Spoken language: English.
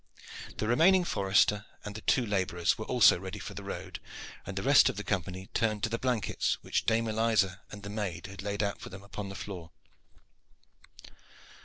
The remaining forester and the two laborers were also ready for the road, and the rest of the company turned to the blankets which Dame Eliza and the maid had laid out for them upon the floor.